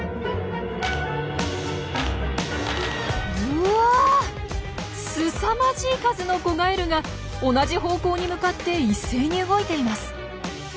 うわすさまじい数の子ガエルが同じ方向に向かって一斉に動いています。